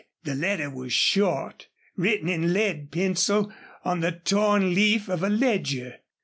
The letter was short, written in lead pencil on the torn leaf of a ledger.